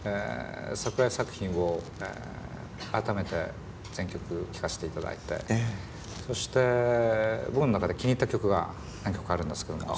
桜井作品を改めて全曲聴かしていただいてそして僕の中で気に入った曲が何曲かあるんですけれども。